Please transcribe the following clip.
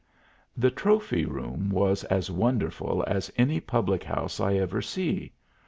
The trophy room was as wonderful as any public house I ever see.